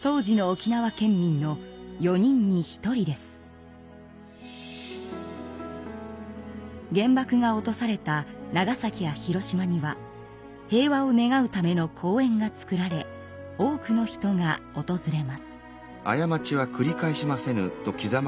当時の原爆が落とされた長崎や広島には平和を願うための公園がつくられ多くの人がおとずれます。